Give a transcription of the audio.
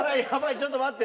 ちょっと待って。